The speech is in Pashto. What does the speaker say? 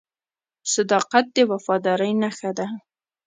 • صداقت د وفادارۍ نښه ده.